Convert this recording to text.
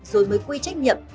rồi mới quy trách nhiệm